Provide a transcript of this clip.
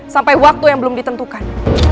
sampai waktu yang belum ditentukan